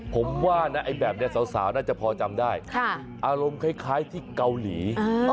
ผมว่านะไอ้แบบนี้สาวน่าจะพอจำได้อารมณ์คล้ายที่เกาหลี